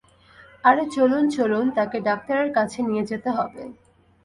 আরে চলুন চলুন, তাকে ডাক্তারের কাছে নিয়ে যেতে হবে।